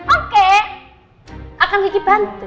oke akan kiki bantu